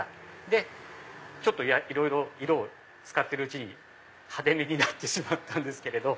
でいろいろ色を使ってるうちに派手めになってしまったんですけれど。